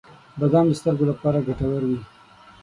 • بادام د سترګو لپاره ګټور وي.